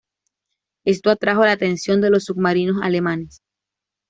Esto atrajo la atención de los submarinos alemanes.